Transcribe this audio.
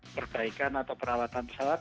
perbaikan atau perawatan pesawat